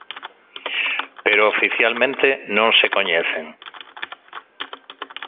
Pero oficialmente non se coñecen.